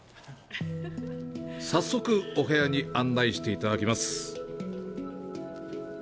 早速、お部屋に案内していただきます。